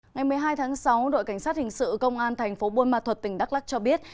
ngày một mươi hai tháng sáu đội cảnh sát hình sự công an thành phố buôn ma thuật tỉnh đắk lắc cho biết